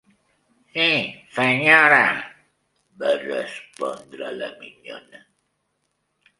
"Sí, senyora", va respondre la minyona.